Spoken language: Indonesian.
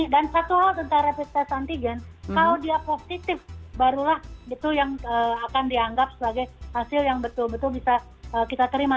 dan satu hal tentang rapid test antigen kalau dia positif barulah itu yang akan dianggap sebagai hasil yang betul betul bisa kita terima